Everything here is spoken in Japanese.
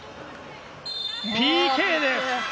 ＰＫです！